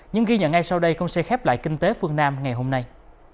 những ghi nhận ngay sau đây cũng sẽ khép lại kinh tế phương nam ngày hôm nay